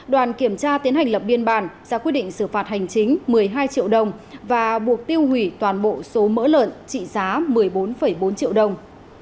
đoàn kiểm tra tiến hành lập biên bản ra quyết định xử phạt hành chính một mươi hai triệu đồng và buộc tiêu hủy toàn bộ số mỡ lợn trị giá một mươi bốn bốn triệu đồng